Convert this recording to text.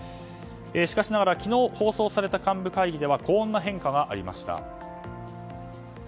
しかしながら、昨日放送された幹部会議ではこんな変化がありました。